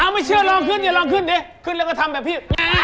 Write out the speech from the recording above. อ้าวไม่เชื่อเราขึ้นเลยขึ้นแล้วกูทำแบบพี่